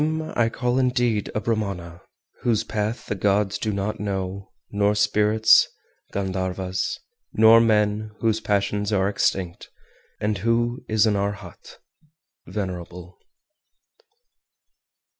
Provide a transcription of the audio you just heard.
420. Him I call indeed a Brahmana whose path the gods do not know, nor spirits (Gandharvas), nor men, whose passions are extinct, and who is an Arhat (venerable).